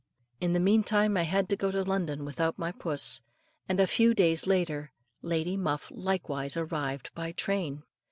In the meantime I had to go to London without my puss; and a few days after, Lady Muff likewise arrived by train.